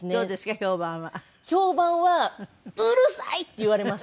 評判は「うるさい！」って言われます。